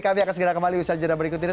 kami akan segera kembali bersajar berikutnya